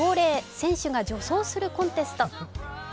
選手が女装するコンテスト。